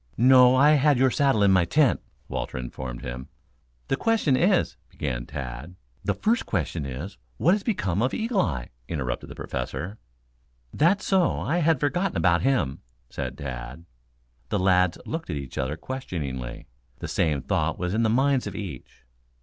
"No, I had your saddle in my tent," Walter informed him. "The question is " began Tad. "The first question is, what has become of Eagle eye," interrupted the Professor. "That's so. I had forgotten about him," said Tad. The lads looked at each other questioningly. The same thought was in the mind of each.